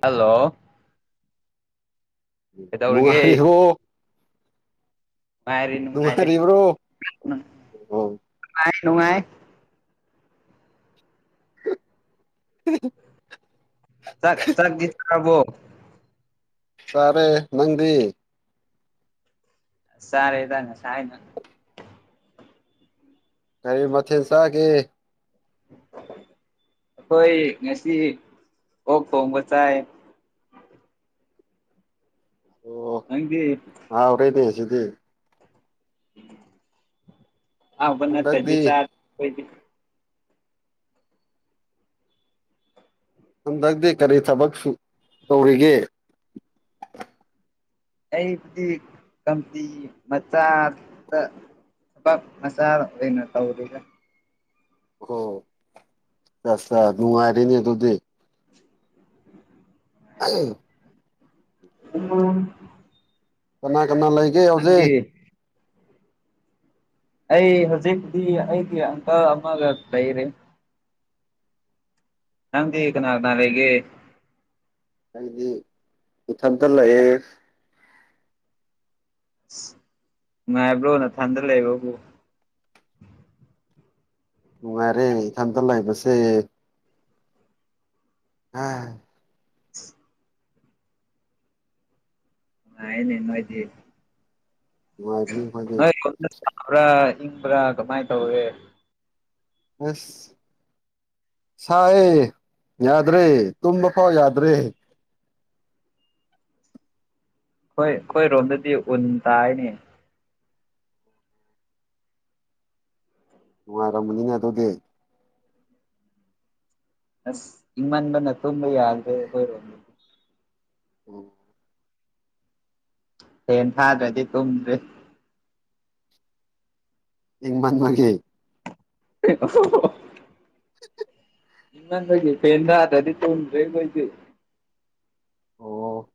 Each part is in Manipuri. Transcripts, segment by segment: ꯍꯜꯂꯣ ꯀꯩꯗꯧꯔꯤꯒꯦ ꯅꯨꯡꯉꯥꯏꯔꯤꯕꯣ? ꯅꯨꯡꯉꯥꯏꯔꯤ ꯅꯨꯡꯉꯥꯏꯔꯤ ꯅꯨꯡꯉꯥꯏꯔꯤꯕ꯭ꯔꯣ ꯑꯣ ꯅꯨꯡꯉꯥꯏ ꯅꯨꯡꯉꯥꯏ [unintelligible] ꯆꯥꯛ ꯆꯥꯗꯤ ꯆꯥꯔꯕꯣ? ꯆꯥꯔꯦ ꯅꯪꯗꯤ? ꯆꯥꯔꯦꯗ ꯉꯁꯥꯏꯅ [unintelligible] ꯀꯔꯤ ꯃꯊꯦꯟ ꯆꯥꯒꯦ? ꯑꯈꯣꯏ ꯉꯁꯤ ꯑꯣꯛ ꯊꯣꯡꯕ ꯆꯥꯏ꯫ ꯑꯣ ꯅꯪꯗꯤ ꯍꯥꯎꯔꯦꯅꯦ ꯁꯤꯗꯤ꯫ ꯑꯍꯥꯎꯕ ꯅꯠꯇꯗꯤ ꯆꯥ ꯍꯟꯗꯛꯇꯤ ꯈꯣꯏꯗꯤ꯫ ꯍꯟꯗꯛꯇꯤ ꯀꯔꯤ ꯊꯕꯛ ꯁꯨ ꯇꯧꯔꯤꯒꯦ? ꯑꯩꯕꯨꯗꯤ ꯀꯝꯄꯤ ꯃꯆꯥꯗ ꯃꯆꯥ ꯑꯣꯏꯅ ꯇꯧꯔꯤꯗ ꯑꯣ ꯆꯥ ꯁꯥ ꯅꯨꯡꯉꯥꯏꯔꯤꯅꯤ ꯑꯗꯣꯗꯤ꯫ [unintelligible] [unintelligible] ꯀꯅꯥ ꯀꯅꯥ ꯂꯩꯒꯦ ꯅꯪꯗꯤ ꯍꯧꯖꯤꯛ? ꯑꯩ ꯍꯧꯖꯤꯛꯇꯤ ꯑꯩꯒꯤ ꯑꯪꯀꯜ ꯑꯃꯒ ꯂꯩꯔꯤ꯫ ꯅꯪꯗꯤ ꯀꯅꯥ ꯀꯅꯤ ꯂꯩꯒꯦ? ꯑꯩꯗꯤ ꯏꯊꯟꯇ ꯂꯩꯌꯦ꯫ ꯉꯥꯏꯕ꯭ꯔꯣ ꯅ ꯊꯟꯗ ꯂꯩꯕꯕꯨ? ꯅꯨꯡꯉꯥꯏꯔꯦ ꯏꯊꯟꯇ ꯂꯩꯕꯁꯦ꯫ [unintelligible] [unintelligible] ꯐꯥꯏꯅꯦ ꯅꯣꯏꯗꯤ ꯅꯨꯡꯉꯥꯏꯔꯤ ꯑꯈꯣꯏꯗꯤ ꯕ꯭ꯔꯥ ꯏꯪꯕ꯭ꯔꯥ ꯀꯃꯥꯏꯅ ꯇꯧꯔꯒꯦ? ꯍꯁ ꯁꯥꯏꯌꯦ ꯌꯥꯗ꯭ꯔꯦ ꯇꯨꯝꯕ ꯐꯥꯎ ꯌꯥꯗ꯭ꯔꯦ꯫ ꯍꯣꯏ ꯑꯈꯣꯏꯔꯣꯝꯗꯗꯤ ꯎꯟ ꯇꯥꯏꯅꯦ ꯫ ꯅꯨꯡꯉꯥꯏꯔꯝꯕꯅꯤꯅ ꯑꯗꯨꯗꯤ ꯑꯁ ꯏꯪꯃꯟꯕꯅ ꯇꯨꯝꯕ ꯌꯥꯗ꯭ꯔꯦ ꯑꯩꯈꯣꯏꯔꯣꯝꯗꯤ꯫ [unintelligible] ꯍꯦꯟ ꯊꯥꯗ꯭ꯔꯗꯤ ꯇꯨꯝꯗ꯭ꯔꯦ꯫ ꯍꯪ ꯃꯟꯃꯒꯤ [unintelligible] [inaudible] [unintelligible] ꯑꯣ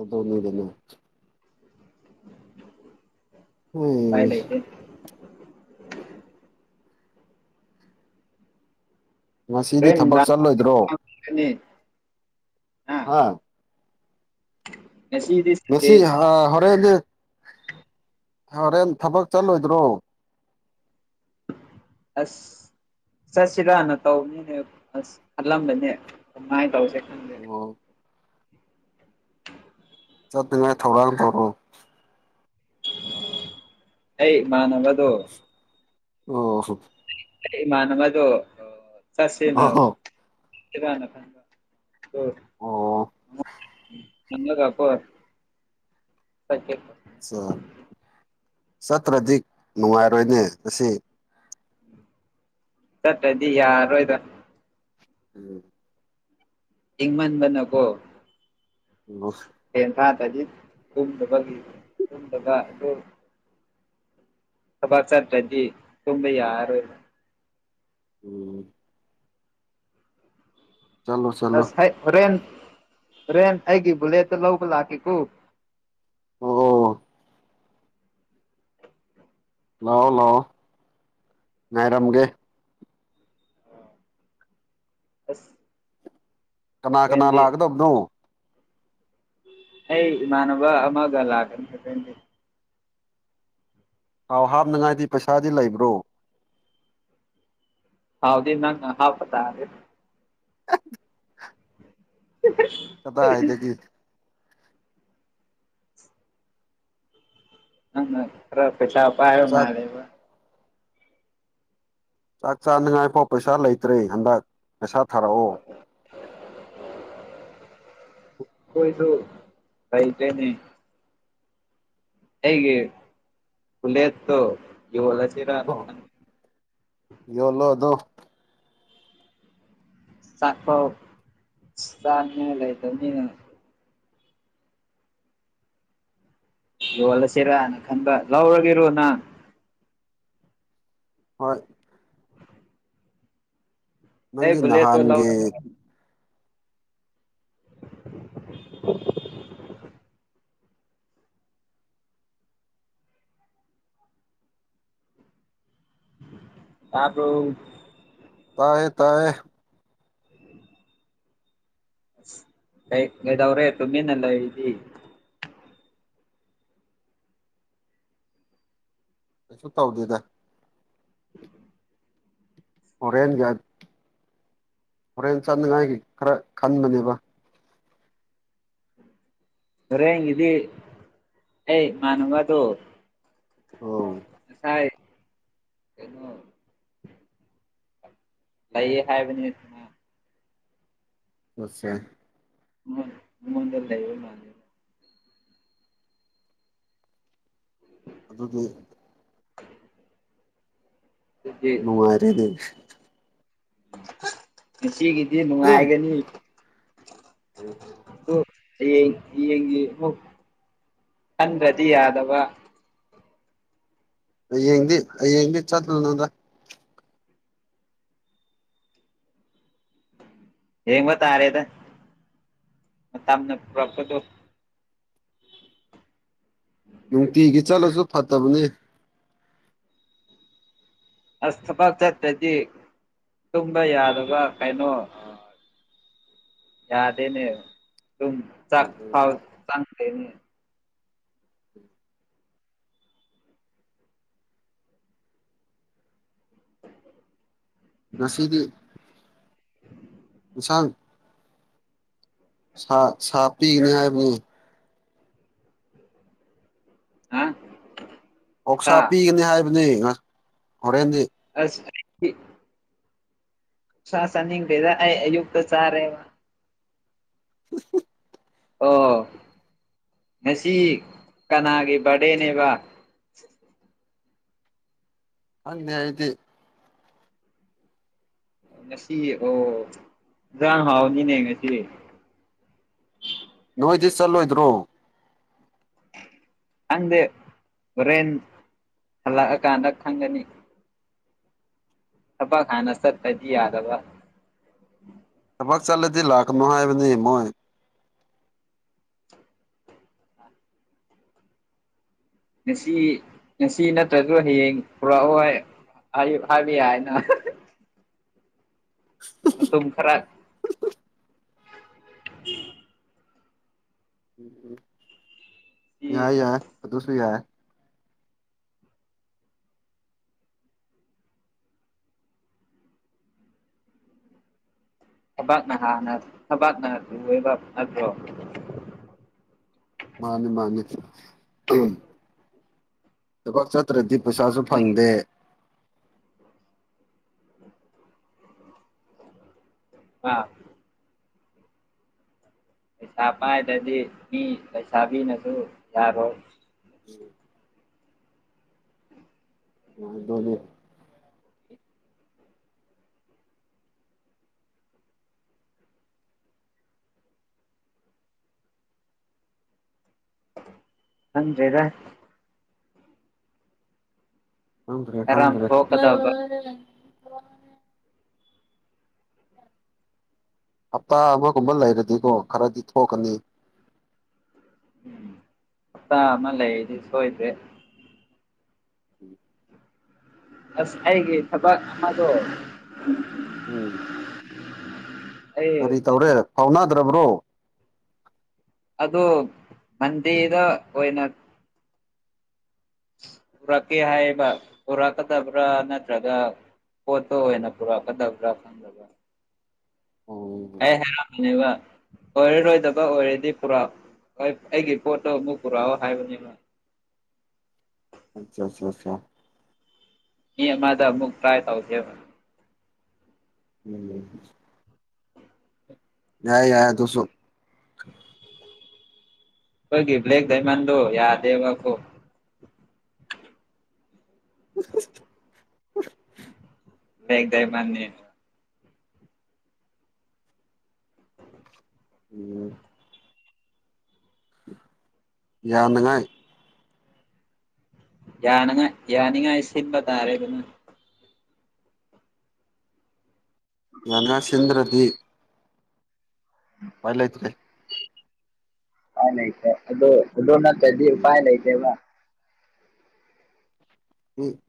ꯑꯗꯨꯅꯤꯗꯅ ꯎꯄꯥꯏ ꯂꯩꯇꯦ [unintelligible] ꯉꯁꯤꯗꯤ ꯊꯕꯛ ꯆꯠꯂꯣꯏꯗ꯭ꯔꯣ ꯆꯠꯀꯅꯤ ꯍꯥ ꯉꯁꯤꯗꯤ ꯁꯟꯗ‌ꯦ ꯑꯥ ꯍꯣꯔꯦꯟꯗꯤ ꯍꯣꯔꯦꯟ ꯊꯕꯛ ꯆꯠꯂꯣꯏꯗ꯭ꯔꯣ ꯑꯁ ꯆꯠꯁꯤꯔꯅ ꯇꯧꯕꯅꯤꯅꯦ ꯑꯁ ꯈꯜꯂꯝꯕꯅꯦ ꯑꯗꯨꯃꯥꯏꯅ ꯇꯧꯁꯦ ꯈꯪ ꯑꯣ ꯆꯠꯇꯨꯉꯥꯏ ꯊꯧꯔꯥꯡ ꯇꯧꯔꫭ ꯑꯩ ꯏꯃꯥꯟꯅꯕꯗꯣ ꯑꯣ ꯍꯣ ꯏꯃꯟꯅꯕꯗꫭ ꯆꯠꯁ‌ꯦꯅ ꯑꯣ [unintelligible] ꯑꯣ [unintelligible] ꯆꯥ ꯆꯠꯇ꯭ꯔꯗꯤ ꯅꯨꯡꯉꯥꯏꯔꯣꯏꯅꯦ ꯉꯁꯤ ꯆꯠꯇꯗꯤ ꯌꯥꯔꯣꯏꯗ ꯎꯝ ꯏꯪꯃꯟꯗꯅ ꯀꯣ [unintelligible] ꯐ‌ꯦꯟ ꯊꯥꯗꯗꯤ ꯀꯨꯝꯗꯕꯒꯤ ꯀꯨꯝꯗꯕ ꯑꯗꯨ ꯊꯕꯛ ꯆꯠꯇ‍꯭ꯔꯗꯤ ꯇꯨꯝꯕ ꯌꯥꯔꯔꫭꯏꯕ ꯎꯝ ꯆꯠꯂꯣ ꯆꯠꯂꯣ ꯑꯁ ꯍꫭꯔꯦꯟ ꯍ‌ꯣꯔꯦꯟ ꯑꯩꯒꯤ ꯕꯨꯂꯦꯠꯇ ꯂꯧꯕ ꯂꯥꯛꯀꯦꯀꯣ ꯑꯣ ꯑꯣ ꯂꯥꯛꯑꯣ ꯂꯥꯛꯑꯣ ꯉꯥꯏꯔꯝꯒꯦ ꯑꯁ ꯀꯅꯥ ꯀꯅꯥ ꯍꯣꯔꯦꯟꯗꯤ ꯂꯥꯛꯀꯗꯕꯅꯣ ꯑꯩ ꯏꯃꯥꯟꯅꯕ ꯑꯃꯒ ꯂꯥꯛꯀꯅꯤ [unintelligible] ꯊꯥꯎ ꯍꯥꯞꯅꯤꯉꯥꯏꯗꯤ ꯄꯩꯁꯥꯗꯤ ꯂꯩꯕ꯭ꯔꯣ ꯊꯥꯎꯗꯤ ꯅꯪꯅ ꯍꯥꯥꯞꯄ ꯇꯥꯔ‌ꯦ [unintelligible] ꯀꯗꯥꯏꯗꯒꯤ ꯅꯪꯅ ꯈꯔ ꯄꯩꯁꯥ ꯄꯥꯏꯕ ꯆꯥꯛ ꯃꯥꯜꯂ‌ꯦꯕ ꯆꯥꯛ ꯆꯥꯅꯤꯉꯥꯏꯐꯥꯎ ꯄꯩꯁꯥ ꯂꯩꯇ꯭ꯔꯦ ꯍꯟꯗꯛ ꯄꯩꯁꯥ ꯊꯥꯔꯛꯑꯣ [inaudible] ꯈ‌ꯣꯏꯁꯨ ꯂꯩꯇ‌ꯦꯅ‌ꯦ ꯑꯩꯒꯤ ꯕꯨꯂꯦꯠꯇꯣ ꯌꫭꯜꯂꯥꯁꯤꯔꯅ ꯌꯣꯜꯂꯣ ꯑꯗꫭ ꯆꯥꯛꯄꯧ ꯆꯥꯅꯤꯉꯥꯏ ꯂꯩꯇꯕꯅꯤꯅ ꯌꯣꯜꯂꯁꯤꯔꯅ ꯈꯟꯕ ꯂꯧꯔꯒꯦꯔꯣ ꯅ ꯍꯣꯏ ꯑꯩ ꯅꯪꯒꯤ ꯕꯨꯂ‌ꯦꯠꯇꫭ ꯂꯧ ꯅꯍꯥꯟꯒꯤ [inaudible] ꯇꯥꯗ꯭ꯔꯣ ꯇꯌꯦ ꯇꯥꯏ ꯀꯩ ꯀꯩꯗꯧꯔꯦ ꯇꯨꯃꯤꯟꯅꯥ ꯂꯩꯔꯤꯗꯤ ꯀꯩꯁꯨ ꯇꯧꯗꯦꯗ ꯍꯣꯔꯦꯟꯒꯠ ꯍꯣꯔꯦꯟ ꯆꯥꯅꯉꯥꯏꯒꯤ ꯈꯔ ꯈꯟꯕꯅꯦꯕ ꯍꯔꯦꯒꯤꯗꯤ ꯑꯩ ꯏꯃꯥꯟꯅꯕꯗꯣ ꯑꯣ ꯁꯥꯏ ꯀꯩꯅꯣ ꯂꯩꯌꯦ ꯍꯥꯏꯕꯅꯤ [unintelligible] [unintelligible] ꯃꯣꯟꯗ ꯂꯩꯕ ꯃꯥ ꯑꯗꯨꯗꯤ [inaudible] ꯑꯗꯨꯗꯤ ꯅꯨꯡꯉꯥꯏꯔꯦꯅꯦ ꯉꯁꯤꯒꯤꯗꯤ ꯅꯨꯡꯉꯥꯏꯒꯅꯤ ꯗꯨ ꯍꯥꯌꯦꯡ ꯌꯦꯡꯒꯤ ꯑꯥꯃꯨꯛ ꯈꯟꯗ꯭ꯔꯗꯤ ꯌꯥꯗꯕ ꯍꯌꯦꯡꯗꯤ ꯍꯌꯦꯡꯗꯤ ꯆꯠꯂꯨꯅꯣꯗ ꯌꯦꯡꯕ ꯇꯔꯦꯗ ꯃꯇꯝꯅ ꯄꯨꯔꯛꯄꯗꯣ ꯅꯨꯡꯇꯤꯒꯤ ꯆꯠꯂꯁꯨ ꯐꯠꯇꯕꯅꯤ ꯑꯁ ꯊꯕꯛ ꯆꯠꯇ꯭ꯔꯗꯤ ꯇꯨꯝꯕ ꯌꯥꯗꯕ ꯀꯩꯅꯣ ꯑꯥ ꯌꯥꯗꯦꯅꯦ ꯗꯨꯝ ꯆꯥꯛ ꯐꯥꯎ ꯆꯪꯗꯦꯅꯦ ꯉꯁꯤꯗꯤ ꯏꯟꯁꯥꯡ ꯁꯥ ꯁꯥꯞꯄꯤꯒꯅꯤ ꯍꯥꯏꯕꯅꯤ ꯍꯥ ꯁꯥ ꯑꯣꯁꯥ ꯄꯤꯒꯅꯤ ꯍꯥꯏꯕꯅꯤ ꯉ ꯍꯣꯔꯦꯟꯗꯤ ꯑꯁ ꯑꯔꯤꯛꯄꯤ ꯁꯥ ꯆꯥꯅꯤꯡꯗꯦꯗꯥ ꯍꯥꯏ ꯌꯨꯛꯇ ꯆꯥꯔꯦꯕ [inaudible] ꯑꯣ ꯉꯁꯤ ꯀꯅꯥꯒꯤ ꯕꯥꯔꯗꯦꯅꯦꯕ ꯈꯟꯗꯦ ꯑꯩꯗꯤ ꯉꯁꯤꯒꯤ ꯑꯣ ꯖꯥꯔꯡ ꯍꯥꯎꯅꯤꯅꯦ ꯉꯁꯤ ꯅꯣꯏꯗꯤ ꯆꯠꯂꯣꯏꯗ꯭ꯔꯣ ꯈꯪꯗꯦ ꯍꯣꯔꯦꯟ ꯍꯜꯂꯛꯑꯀꯥꯟꯗ ꯈꯪꯒꯅꯤ ꯊꯕꯛ ꯍꯟꯅ ꯆꯠꯇꯗꯤ ꯌꯥꯗꯕ ꯊꯕꯛ ꯆꯠꯂꯗꯤ ꯂꯥꯛꯀꯅꯨ ꯍꯥꯏꯕꯅꯤ ꯃꯣꯏ ꯉꯁꯤ ꯉꯁꯤ ꯅꯠꯇ꯭ꯔꯁꯨ ꯍꯌꯦꯡ ꯄꯨꯔꯛꯑꯣꯏ ꯑꯌꯨꯛ ꯍꯥꯏꯕ ꯌꯥꯏꯅ ꯑꯗꯨꯝ ꯈꯔ ꯁꯤ ꯌꯥꯏ ꯌꯥꯏ ꯑꯁ ꯑꯗꯨꯁꯨ ꯌꯥꯏ ꯊꯕꯥꯛꯅ ꯍꯥꯟꯅ ꯊꯕꯥꯛꯅ ꯂꯨꯑꯦꯕ ꯅꯠꯇ꯭ꯔꯣ ꯃꯥꯅꯦ ꯃꯥꯅꯤ ꯎ ꯇꯕꯛ ꯆꯠꯇ꯭ꯔꯦ ꯄꯩꯁꯥꯁꯨ ꯃꯣꯏ ꯐꯪꯗꯦ ꯎꯝ ꯑꯥ ꯄꯩꯁꯥ ꯄꯥꯏꯗ꯭ꯔꯗꯤ ꯃꯤ ꯂꯩꯩꯁꯥꯕꯤꯅꯁꯨ ꯌꯥꯔꯣꯏ [inaudible] ꯌꯥꯍꯟꯗꯣꯅꯦ ꯈꯪꯗꯔꯦꯗ ꯊꯗ꯭ꯔꯦ ꯀꯔꯝ ꯇꯥꯡꯗ꯭ꯔꯦ ꯊꯣꯛꯀꯗꯕ ꯍꯞꯇꯥ ꯑꯃꯒꯨꯝꯕ ꯂꯩꯔꯗꯤꯀꯣ ꯈꯔꯗꯤ ꯊꯣꯛꯀꯅꯤ ꯍꯞꯇꯥ ꯑꯃ ꯂꯩꯔꯗꯤ ꯁꯣꯏꯗꯦ ꯎꯝ ꯑꯁ ꯑꯩꯒꯤ ꯊꯕꯛ ꯑꯃꯗꯣ ꯎꯝ ꯑꯩ ꯀꯔꯤ ꯇꯧꯔꯦ ꯐꯥꯎꯅꯗ꯭ꯔꯕ꯭ꯔꯣ ꯑꯗꯨ ꯃꯟꯗꯦꯗ ꯑꯣꯏꯅ ꯄꯨꯔꯛꯀꯦ ꯍꯥꯏꯌꯦꯕ ꯄꯨꯔꯛꯀꯗꯕ꯭ꯔꯥ ꯅꯠꯇ꯭ꯔꯒ ꯄꯣꯠꯇꯣ ꯑꯣꯏꯅ ꯄꯨꯔꯥꯛꯀꯗꯕꯔ ꯈꯪꯗꯕ ꯑꯣ ꯑꯦ ꯍ ꯀꯤꯕ ꯑꯣꯏꯔꯔꯣꯏꯗꯕ ꯑꯣꯏꯔꯗꯤ ꯄꯨꯔꯛꯑꯣ ꯑꯩꯒꯤ ꯄꯣꯠꯇꯣ ꯑꯃꯨꯛ ꯄꯨꯔꯛꯑꯣ ꯍꯥꯏꯕꯅꯤꯅ ꯑꯆꯥ ꯑꯆꯥ ꯑꯆꯥ ꯃꯤ ꯑꯃꯥꯗ ꯑꯃꯨꯛ ꯇꯔꯥꯏ ꯇꯧꯁꯦ ꯎ ꯌꯥꯏ ꯌꯥꯏ ꯑꯗꯨꯁꯨ ꯅꯣꯏꯒꯤ ꯕꯂꯦꯛꯗꯥꯏꯃꯥꯟꯗꯣ ꯌꯥꯗꯦꯕꯈꯣ [unintelligible] ꯕꯂꯦꯛꯗꯥꯏꯃꯥꯟꯅꯦ ꯎꯝ ꯌꯥꯅꯉꯥꯏ ꯌꯥꯅꯉꯥꯏ ꯌꯥꯅꯤꯡꯉꯥꯏ ꯁꯤꯟꯕ ꯇꯥꯔꯦꯗꯅ ꯌꯥꯅꯉꯥꯏ ꯁꯤꯟꯗ꯭ꯔꯗꯤ ꯄꯥꯏꯂꯩꯇꯔꯦ ꯄꯥꯏ ꯂꯩꯇꯦ ꯑꯗꯣ ꯑꯗꯣꯅꯠꯇꯗꯤ ꯎꯝ ꯄꯥꯏ ꯂꯩꯇꯦꯕ ꯎꯝ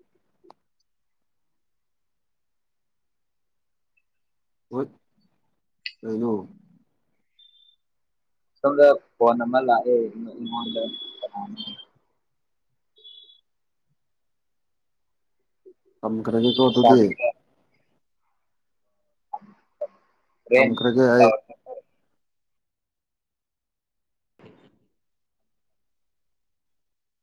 ꯕꯨꯠ ꯀꯩꯅꯣ ꯁꯣꯝꯗ ꯐꯣꯟ ꯑꯃ ꯂꯥꯛꯑꯦ ꯑꯩꯉꯣꯟꯗ [unintelligible] ꯊꯝꯈ꯭ꯔꯒꯦꯀꯣ ꯑꯗꯨꯗꯤ ꯂꯩꯁꯥꯕꯤꯅ ꯍꯣꯔꯦꯟ ꯊꯝꯈ꯭ꯔꯒꯦꯑꯩ ꯇꯧꯔꯛꯀꯦꯀꯣ [unintelligible]